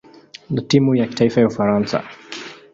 na timu ya kitaifa ya Ufaransa.